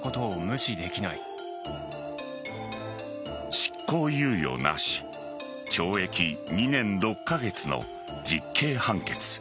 執行猶予なし懲役２年６カ月の実刑判決。